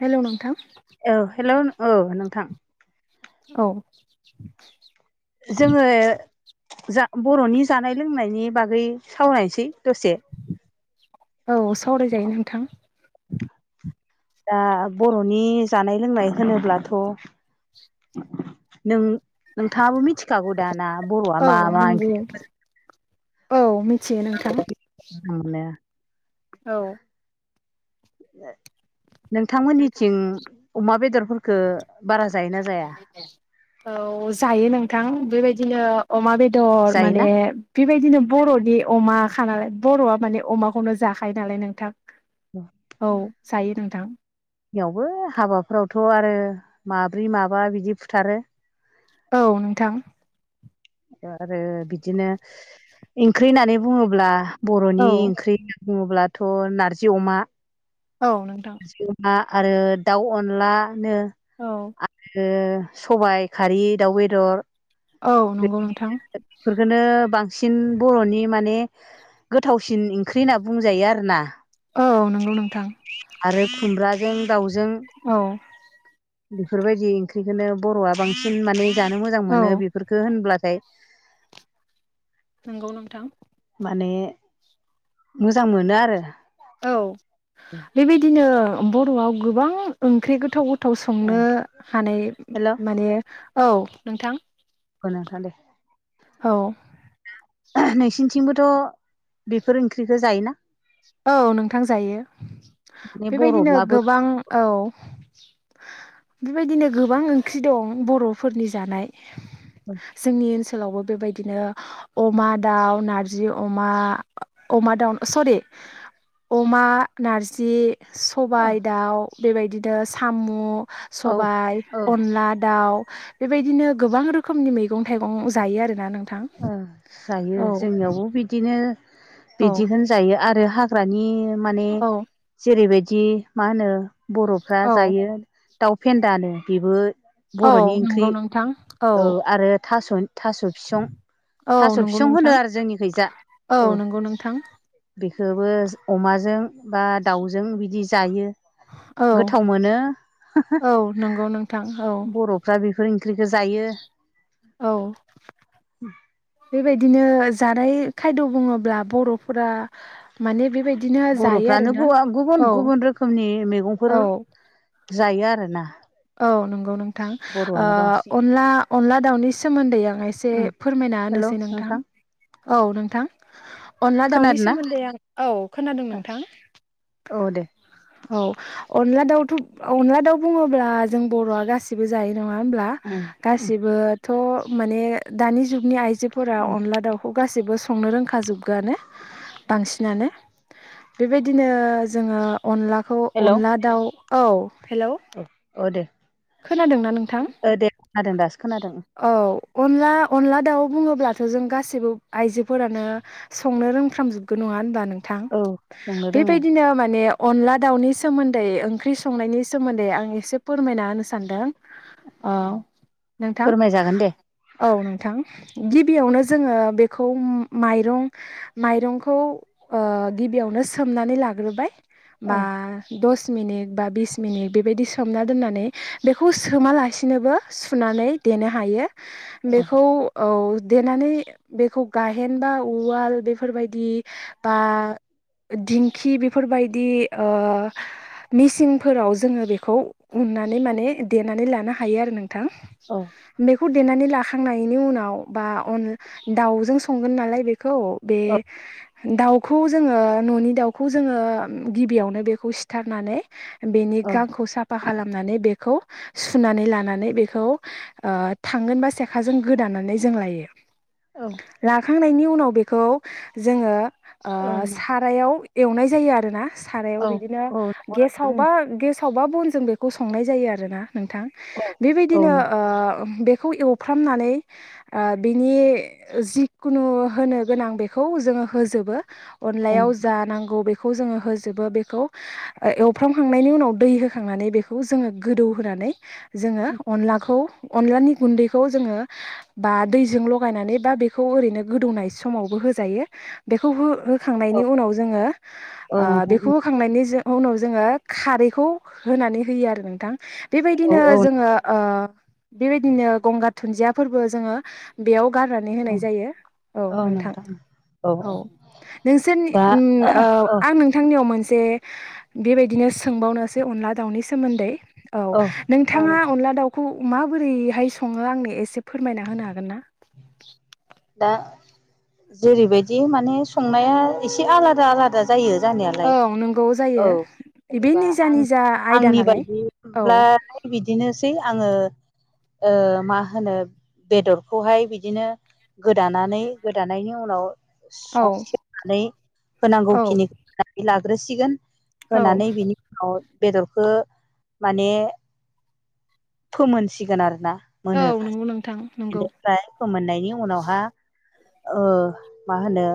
हेल' नोंथां औ हेल' औ नोंथां औ जोङो जा बर'नि जानाय लोंनायनि बागै सावरायनोसै दसे औ सावरायजायो नोंथां दा बर'नि जानाय लोंनाय होनोब्लाथ' नोंथाङाबो मिथि थिखागु दाना बर'आ औ मा मा नंगौ ओंख्रि औ मिथियो नोंथां। आंल [inaudible] औ। [inaudible] नोंथांमोननिथिं अमा बेदरफोरफोरखौ बारा जायोना जाया औ जायो नोंथां बेबायदि बिदिनो अमा बेदर जायोना माने बेबायदिनो बर'नि अमा खाङो बर'आ माने अमाखौनो जाखायो नालाय नोंथां औ। जायो नोंथां। नियावबो हाबाफोरावथ' आरो माब्रै माबा बिदि फुथारो औ नोंथां। आरो बिदिनो ओंख्रि होननानै बुङोब्ला औ बर'नि ओंख्रि होननानै बुङोब्लाथ' नारजि अमा औ नोंथां। नारजि अमा आरो दाउ अनलानो औ आरो सबाइ खारि दाउ बेदर औ नंगौ नोंथां बेफोरखौनो बां सिन बर'नि माने गोथावसिन ओंख्रि होनना बुंजायो आरो ना। औ नंगौ नोंथां। आरो खुमब्राजों दाउ औ। बेफोरबायदि ओंख्रिखोनो बर'आ बांसिन माने जानो मोजां औ मोनो बेफोरफोरखो होनब्लाथाय नोंगौ नोंथां। माने मोजां मोनो आरो। औ बेबायदिनो बर'आव गोबां ओंख्रि गोथाव गो थाव संनो हानाय हेल' माने औ नोंथां। औ नोंथां दे। औ नोंसिनिथिंबोथ' बेफोर ओंख्रिखौ जायोना? औ नोंथां जायो माने बेबायदिनो बर'ब्लाबो गोबां औ बेबायदिनो गोबां ओंख्रि दं बर'फोरनि जानाय। जोंनि ओनसो लावबो बेबायदिनो अमा दाउ नारजि अमा अमा दाउ सरि अमा नारजि सबाय दाउ बेबायदिनो सामु, औ सबाय, औ अनला, दाउ बेबायदिनो गोबां रोखोमनि मैगं थाइगं जायो आरोना नों ओ जायो जोंनियावबो बिदिनो औ बिदिखौनो जायो आरो हा ग्रानि माने औ जेरैबायदि मा होनो बर'फ्रा औ जायो दाउ फेन्दानो बेबो औ बर'नि नंगौ ओंख्रि नोंथां औ आरो थास' थास' फिसं औ थास' नंगौ फिसं होनो नोंथां आरो जोंनिखैजा औ नंगौ नोंथां बेखोबो अमाजों बा दाउजों बिदि जायो। औ गोथाव मोनो औ नंगौ नोंथां औ बर'फ्रा बे बे ओंख्रिखो जायो। औ बेबायदिनो जानाय खायद' बुङोब्ला बर'फोरा माने बेबायदिनो जायो बर'फ्रानो आरोना बवा गुबुन औ गुबुन रोखोमनि औ मैगंफोर जायो आरोना। औ नंगौ नोंथां ओ बर'आनो बांसिन अनला अनला दाउनि सोमोन्दै आं एसे फोरमायना होनोसै नोंथां। औ नोंथां अनला दाउनि खोनादों ना सोमोन्दै आं औ खोनादों नोंथां। औ दे औ अनला दउथ' अनला दाउ बुङोब्ला जों बर'आ गासिबो जायो नङा होमब्ला। उम उम गासिबो थ' माने दानि जुगनि आइजोफोरा उम अनला दाउखौ गासैबो संनो रोंखाजोब आनो बांसिनानो बेबायदिनो जोङो अनलाखौ हेलौ अनला दाउ औ हेलौ औ दे खोनादोंना नोंथां? ओ दे खोनादों दासो खोनादों अनला-अनला दाउ बुङोब्लाथ' जों गासैबो आइजोफोरानो संनो रोंफ्रामजोबगोन नङा होनबा नों थां औ संनो रोङो बेबायदिनो माने अनला दाउनि सोमोन्दै ओंख्रि संनायनि सोमोन्दै आं एसे फोरमायना होनो सानदों अ नोंथां फोरमायजागोन दे औ नोंथां गिबियावनो जोङो बेखौ माइरं माइरंखौ ओ गिबि यावनो सोमनानै लाग्रोबाय औ बा दस मिनिट बा बिस मिनिट बेबायदि सोमना दोननानै बेखौ सोमालासिनोबो सुनानै देनो हायो औ बेखौ औ देनानै बेखौ गाहेन बा उवाल बेफोरबायदि बा दिंखि बेफोरबायदि ओ मिसिंफोराव जोङो बेखौ उननानै माने देनानै लानो हायो आरो नों थां औ बेखौ देनानै लाखां नायनि उनाव बा अनला दाव जों संगोन नालाय बे खौ बे औ दाउखौ जोङो न'नि दाउखौ जोङो गिबियावनो बेखौ सिथारनानै बेनि गांखौ साफा खालामनानै बेखौ सुनानै लानानै बे खौ ओ थांगोन बा सेखाजों गोदानानै जों लायो औ लाखांनायनि उनाव बेखौ जोङो ओ सारायाव एवनाय जायो आरो ना सारायाव औ बिदिनो औ नंगौ नोंथां गेसावबा गेस सावबा बनजों बेखौ संनाय जायो आरोना नोंथां औ औ बेबायदिनो नंगौ ओ खौ एवफ्रामनानै बिनि जिखुनु होनो गोनां बेखौ जों होजोबो अनलायाव नोंथां जानांगौ बेख खौ जोङो होजोबो बेखौ एवफ्रामखांनायनि उनाव दै होखांनानै बेखौ जोङो गोदौ होना नै जोङो अनलाखौ अनलानि गुन्दैखौ जोङो बा दैजों लगायनानै बा बेखौ ओैरैनो गोदौनाय समावबो होयो बे होखांनायनि औ उनाव जोङो औ ओ नोंथां बेखौ होखांनायनि जा उनाव जोङो खारैखौ होनानै होयो आरो नोंथां औ बेबायदिनो औ जोङो ओ बेबायदिनो गंगार धुनन्दिया फोरबो जोङो बेयाव गारनानै होनाय जायो औ नोंथां औ नोंसोरनि दा अम ओ औ आं नोंथांनियाव मोनसे से बेबायदिनो सोंबावनोसै अनला दाउनि सोमोन्दै औ औ नोंथाङा अनला दाउखौ माबोरैहाय सङो आंनो एसे फोरमायना होनो हागोन ना [inaudible] दा जेरैबायदि माने संनाया एसे आलादा-आलादा जायो औ जानायालाय नंगौ औ जायो बे जेनेबा निजा आं निजा आयदा आंनि नालाय औ बायदिब्ला बिदिनोसै आङो ओ मा होनो बेदर खौहाय बिदिनो गोदानानै गोदानायनि उनाव औ [unintelligible] नानै औ होनांगौखिनिखौ लाग्रोसिगोन औ होनानै बिनि उनाव बेदरखो माने फोमोनसिगोन आरो ना औ नंगौ नोंथां नंगौ फोमोननायनि उनावहा ओ मा होनो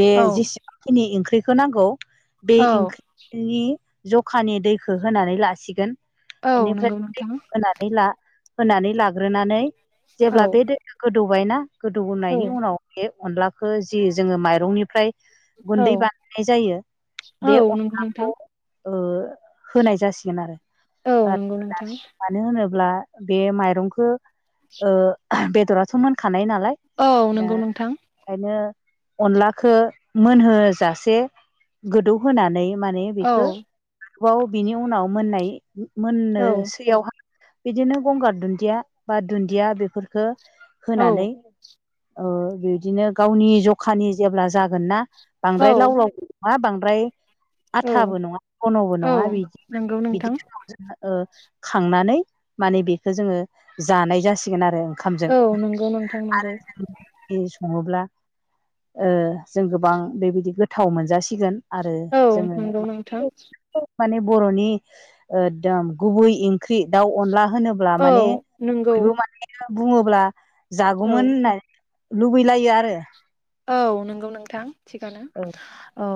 बे औ जेसेबांखिनि ओंख्रिखौ नांगौ बे औ ओंख्रिनि जखानि दैखो होनानै लासिगोन औ बेनिफ्राय नंगौ नोंथां दैखौ होनानै ला होनानै लाग्रोनानै औ जेब्ला बे दैया गोदौबायना औ गोदौनायनि उनाव बे अनलाखो जि जोङो माइरंनिफ्राय औ गुन्दै बानायनाय जायो औ बे नंगौ अनलाखौ नोंथां ओ होनाय जासिगोन आरो औ नंगौ नोंथां [unintelligible] [inaudible] ब्ला बे माइरंखो ओ बेदराथ' मोनखा खानाय नालाय औ दा नंगौ नोंथां ओंखायनो अनलाखौ मोनहोजासे गोदौहोनानै माने औ बेखौ बाव बिनि उनाव मोननाय औ मोननोसैयावहा बिदिनो गंगार दुन्दिया बा दुन्दिया बेफोरफोरखो औ होनानै ओ बिदिनो गावनि जखानि जेब्ला जागोन ना औ बांद्राय लाव लाव नंङा बां द्राय औ आथाबो नंङा घन'बो औ नंङा बिदि माने नंगौ नोंथां बिदि ओ खांनानै माने बेखौ जोंङो जानाय जासिगोन आरो ओंखामजों औ नंगौ नोंथां नंगौ आरो जों संङोब्ला ओ जों गोबां बेबायदि गोथाव मोनजासिगोन आरो औ जोंङो नंगौ नोंथां माने बर' नि एगदम गुबै ओंख्रि दाउ अनला होनोब्ला औ माने नंगौ दो माने बुंङोब्ला औ जागौमोन होननानै लुबैलायो आरो औ नंगौ नोंथां थिगानो औ औ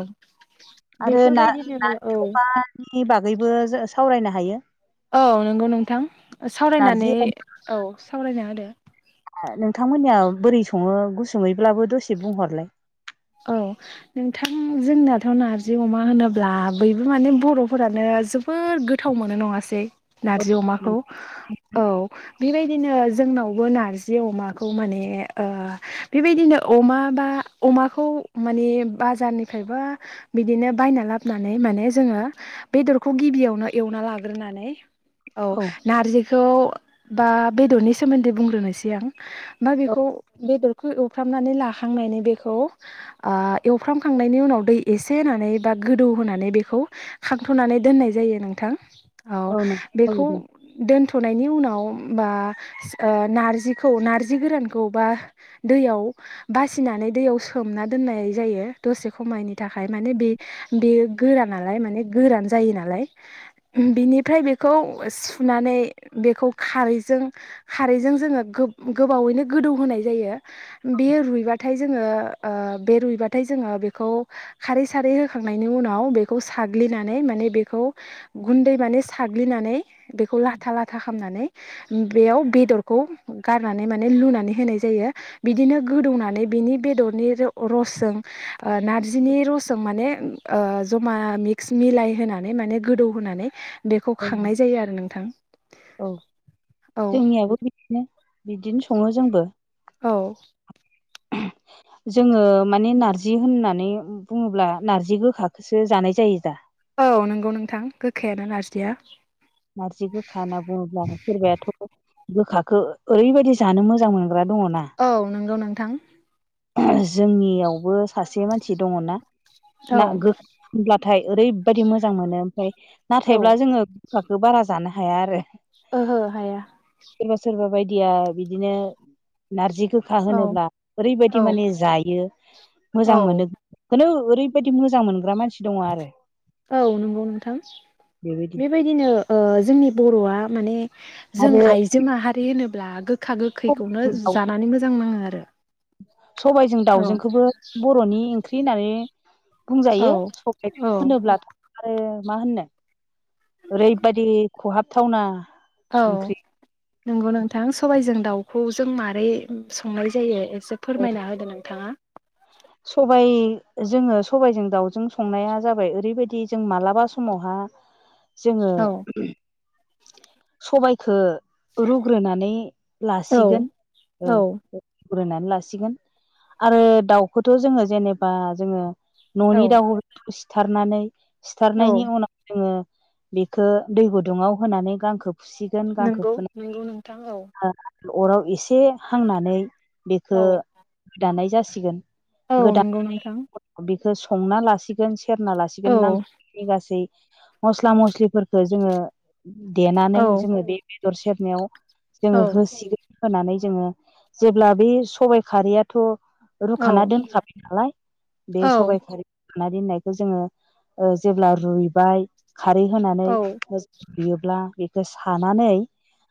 आरो ना ना बेफोरबायदिनो औ खबानि बागैबो सावरायनो हायो। औ नंगौ नोंथां नारजि सावरायनानै औ सावरायना होदो नोंथांमोन नियाव बोरै संङो गुसुंङैब्लाबो दसे बुंहरलाय औ नोंथां जोंनाथ' नारजि अमा होनोब्ला बयबो माने बर'फोरानो जोबोर गोथाव मोनो नंङासै औ नारजि अमाखौ औ बेबायदिनो जोंनावबो नारजि अमाखौ माने ओ बेबायदिनो अमा बा अमाखौ खौ माने बाजारनिफ्रायबा बिदिनो बायना लाबोनानै माने जोंङो बेदर खौ गिबियावनो एवना लाग्रोनानै औ नारजिखौ बा बेदरनि सोमोन्दै बुंग्रोनोसै आं औ बाबेखौ बेदरखौ एवफ्रामनानै लाखांनायनि बेखौ आ एवफ्रामखांनायनि उनाव दै एसे होनानै बा गोदौ होनानै बेखौ खांथ'नानै दोननाय जायो नोंथां औ नोंथां औ बेखौ दे दोनथ'नायनि उनाव बा नारजिखौ नारजि गोरानखौ बा दैयाव बासिनानै दैयाव सो सोमना दोननाय जायो दसे खमायनि थाखाय माने बे बेयो गोराना लाय माने गोरान जयो जायो नालाय उमह बिनिफ्राय बेखौ सुनानै बेखौ खारैजों खारैजों जोंङो गोब गोबावैनो गोदौ होनोनाय जायो बेयो रुइबाथाय जोंङो ओ बे रुइबाथाय जोंङो बेखौ खारै सारै होखांनायनि उनाव बेखौ साग्लिनानै माने बेखौ गुन्दै माने साग्लिनानै बेखौ लाथा लाथा खामनानै बेयाव बेदरखौ गारनानै माने लुनानै होनाय जायो बिदिनो गोदौनानै बिनि बेदरनि र-रसजों ओ नारजिनि रसजों माने ओ जमा मिक्स मिलाय होना माने माने गोदौ होनानै बेखौ औ खांनाय जायो आरो नोंथां औ औ जोंनियाबो बिदिनो बिदिनो संङो जोंबो औ जोंङो माने नारजि होननानै बुंङोब्ला नारजि गोखाखौसो जानाय जायो दा औ नंगौ नोंथां गोखायानो नारजिया नारजि गोखा होनना बुंङोब्ला सोरबायाथ' गोखाखौ ओरैबायदि जानो मोजां मोनो औ नंगौ नोंथां जोंनियावबो सासे मानसि दंङ' ना औ ना गोब्ला नाथाय ओरैबायदि मोजां मोनो ओमफ्राय औ नाथायब्ला जोंङो गोखाखौ बारा जानो हाया आरो ओहो हाया सोरबा सोरबा बायदिया बिदिनो नारजि गोखा औ होनोब्ला ओरैबायदि औ माने जायो औ मोजां मोनो खोनो ओरैबायदि मोजां मोनग्रा मानसि दङ आरो औ नंगौ नोंथां बेबायदि बेबायदिनो ओ जोंनि बर'आ माने जों आरो आइजो माहारि होनोब्ला गो खा गोखैखौनो दाउ जानानै मोजां नाङो आरो सबायजों औ दाउजोंखोबो बरनि ओंख्रि होननानै औ बुंजायो सबाइ औ [unintelligible] ब्लाथ आरो मा होननो ओरैबायादि खहाबथावना औ ओंख्रि नोंगौ नोंथां सबाइजों दाउखौ जों मारै संनाय जायो ए एसे फोरमायना होदो नोंथाङा सबायाइ जोङो सबायजों दाउजों संनाया जाबाय ओरैबायदि जों मालाबा समावहा जोङो औ सबायखो रुग्रोनानै औ लासिगोन औ रुग्रोनानै लासिगोन आरो दाउखौथ जोङो जेनेबा जोङो औ ननि दावखौ सिथारनानै औ सिथारनायनि उनाव जोङो बेखो दै गुदुङाव होनानै गांखो फुसिगोन गांखौ नंगौ नंगौ फुननानै नोंथां औ [unintelligible] अराव एसे हांनानै बेखौ औ गोदानाय जासिगोन औ गोदान नंगौ नोंथां बेखौ संना लासिगोन सेरना लासिगोन औ नांगौ गासै मस्ला मस्लिफोरखौ जोङो देनानै औ जोङो बे बेदर सेरनायाव औ जोङो होसिगोन होनानै जोङो जेब्ला बे सबाइ खारैयाथ औ खाना दोनखाबाय नालाय बे औ सबाइखारि ना दोननायखौ जोङो जेब्ला रुइबाय खारै होनानै औ रुयोब्ला बेखौ सानानै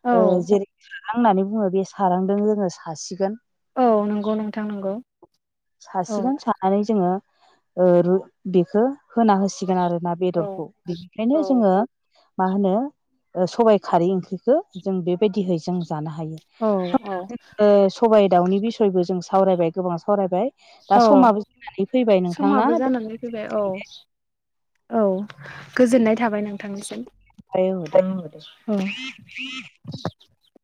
औ ओ जेरै सारां होननानै बुङो बे सारांदों जोङो सासिगोन औ नंगौ नोंथां नंगौ औ सासिगोन सानानै जोङो रु ओ बेखौ होना होसिगोन आरो ना औ बेदरखौ बिनिखायनो औ जोङो मा होनो ओ सबाइ खारै ओंख्रिखो जों बेबायदिहै जों जानो हायो औ [unintelligible] सबाय दाउनि बिसयबो जों सावरायबाय गोबां सावरायबाय दा औ समाबो जानानै फैबाय नोंथांना समाबो जानानै फैबाय औ [unintelligible] औ गोजोननाय थाबाय नोंथांनिसिम दोनथ'बाय औ दे। [unintelligible]